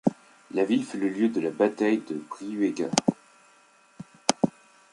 La ville fut le lieu de la Bataille de Brihuega.